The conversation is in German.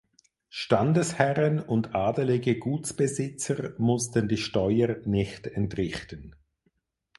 Standesherren und adelige Gutsbesitzer mussten die Steuer nicht entrichten.